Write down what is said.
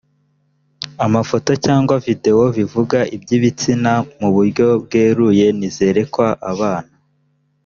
amafoto cyangwa videwo bivuga iby’ibitsina mu buryo bweruye ntizerekwa abana